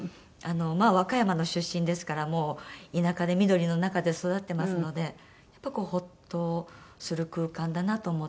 まあ和歌山の出身ですからもう田舎で緑の中で育ってますのでやっぱりホッとする空間だなと思っています。